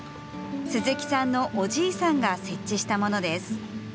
鈴木さんのおじいさんが設置したものです。